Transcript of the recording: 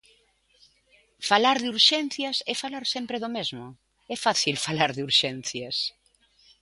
Falar de urxencias é falar sempre do mesmo, é fácil falar de urxencias.